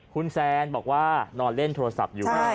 คุณแซนบอกว่านอนเล่นโทรศัพท์อยู่